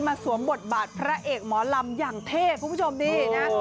สวมบทบาทพระเอกหมอลำอย่างเท่คุณผู้ชมนี่นะ